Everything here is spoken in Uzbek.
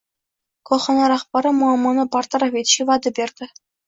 Korxona rahbari muammoni bartaraf etishga vaʼda berdi.